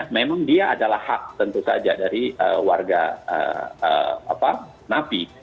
memang dia adalah hak tentu saja dari warga napi